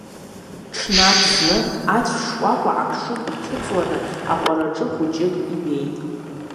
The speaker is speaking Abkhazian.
Ҽнак зны ацә шкәакәа амшын иҭыҵуаны аҟәараҿы хәыҷык ибеит.